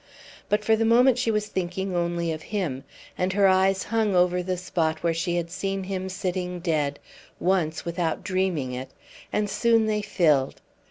But for the moment she was thinking only of him, and her eyes hung over the spot where she had seen him sitting dead once without dreaming it and soon they filled.